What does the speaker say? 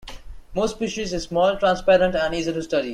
Most species are small, transparent, and easy to study.